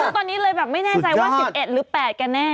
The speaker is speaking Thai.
ตอนนี้เลยแบบไม่แน่ใจว่า๑๑หรือ๘กันแน่